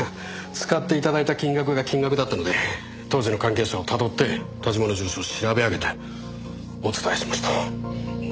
使って頂いた金額が金額だったので当時の関係者をたどって田島の住所を調べ上げてお伝えしました。